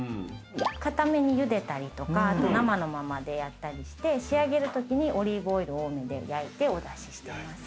かためにゆでたりとか生のままでやったりして仕上げるときにオリーブオイル多めで焼いてお出ししています。